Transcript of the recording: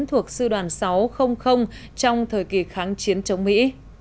thuộc sư đoàn sáu trong thời kỳ kháng chiến chống mỹ